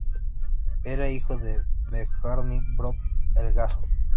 Era hijo de Bjarni Brodd-Helgason.